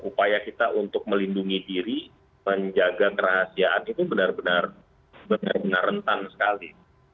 upaya kita untuk melindungi diri menjaga kerahasiaan itu benar benar rentan sekali